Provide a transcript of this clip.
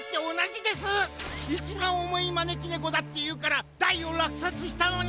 いちばんおもいまねきねこだっていうから大をらくさつしたのに！